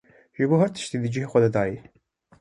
ji bo her tiştî di cihê xwe de ye.